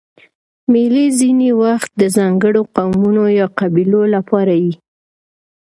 مېلې ځیني وخت د ځانګړو قومونو یا قبیلو له پاره يي.